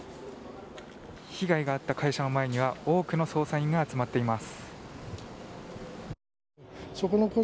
被害があった会社の前には多くの捜査員が集まっています。